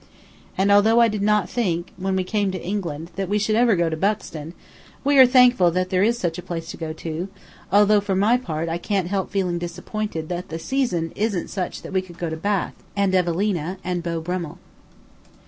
And although I did not think, when we came to England, that we should ever go to Buxton, we are thankful that there is such a place to go to; although, for my part, I can't help feeling disappointed that the season isn't such that we could go to Bath, and Evelina and Beau Brummel.